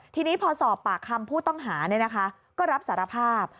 ทีนี้พอสอบปากคำผู้ต้องหาก็รับสารภาพ